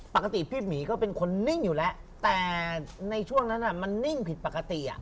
ปกติพี่หมีก็เป็นคนนิ่งอยู่แล้วแต่ในช่วงนั้นมันนิ่งผิดปกติ